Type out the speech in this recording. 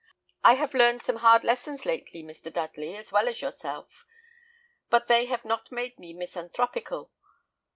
I have learned some hard lessons lately, Mr. Dudley as well as yourself; but they have not made me misanthropical.